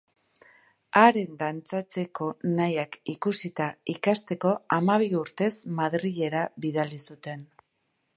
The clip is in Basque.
Haren dantzatzeko nahiak ikusita ikasteko hamabi urtez Madrilera bidali zuten.